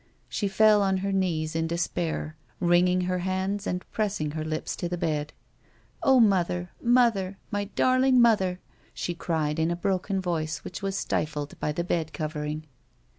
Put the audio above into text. She fell on her knees in despair, wringing her hands and pressing her lips to the bed. " Oh, mother, mother ! My darling mother !" she cried in a broken voice which was stifled by the bed covering.